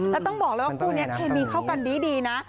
แล้วต้องบอกเลยว่าคู่นี้เคมีเข้ากันดีนะ